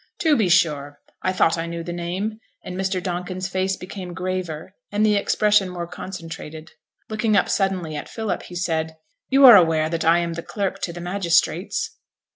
'To be sure! I thought I knew the name.' And Mr. Donkin's face became graver, and the expression more concentrated. Looking up suddenly at Philip, he said, 'You are aware that I am the clerk to the magistrates?'